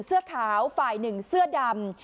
เสื้อขาวฝ่ายหนึ่งเสื้อดำ